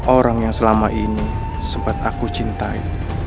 orang yang selama ini sempat aku cintai